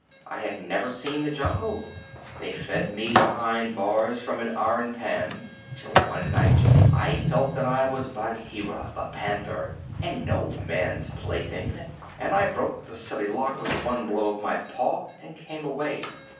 I had never seen the jungle. They fed me behind bars from an iron pan till one night I felt that I was Bagheera the Panther and no man's plaything, and I broke the silly lock with one blow of my paw and came away.